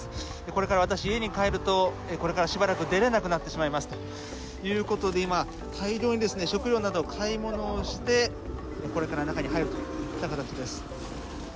これから私、家に帰るとしばらく出られなくなってしまうということで今、大量に食料などを買い物してこれから中に入るというところです。